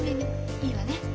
いいわね？